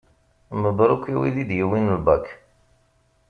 Mebruk i wid i d-yewwin lbak.